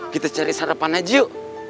kita cari sarapan aja yuk